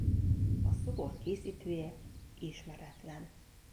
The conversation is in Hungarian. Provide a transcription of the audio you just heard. A szobor készítője ismeretlen.